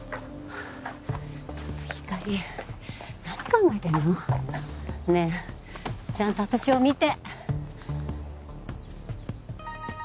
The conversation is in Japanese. ちょっとひかり何考えてるの？ねぇちゃんと私を見て。